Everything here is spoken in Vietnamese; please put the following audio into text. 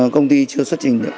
công ty chưa xuất trình được